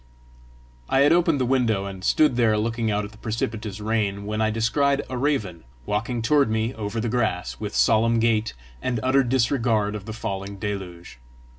I had opened the window, and stood there looking out at the precipitous rain, when I descried a raven walking toward me over the grass, with solemn gait, and utter disregard of the falling deluge.